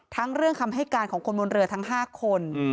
ทั้งเรื่องคำให้การของคนบนเรือทั้ง๕คน